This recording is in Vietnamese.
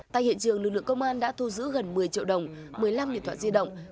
tại hiện trường lực lượng công an đã thu giữ gần một mươi triệu đồng một mươi năm điện thoại di động